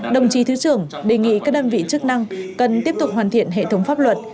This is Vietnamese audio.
đồng chí thứ trưởng đề nghị các đơn vị chức năng cần tiếp tục hoàn thiện hệ thống pháp luật